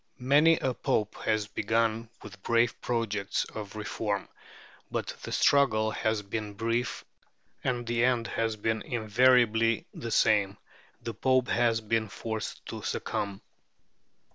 Many a Pope has begun with brave projects of reform; but the struggle has been brief, and the end has been invariably the same: the Pope has been forced to succumb.